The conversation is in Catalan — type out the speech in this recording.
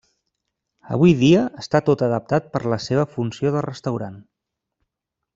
Avui dia està tot adaptat per la seva funció de restaurant.